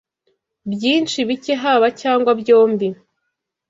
Byinshi bike haba cyangwa byombi